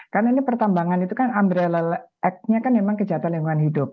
karena ini pertambangan itu kan umbrella act nya kan memang kejahatan lingkungan hidup